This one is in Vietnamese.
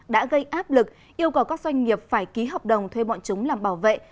đã gây áp lực yêu cầu các doanh nghiệp phải ký hợp đồng thuê bọn chúng làm bảo vệ